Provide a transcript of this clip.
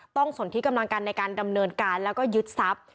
สนที่กำลังกันในการดำเนินการแล้วก็ยึดทรัพย์